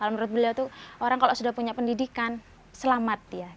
kalau menurut beliau itu orang kalau sudah punya pendidikan selamat ya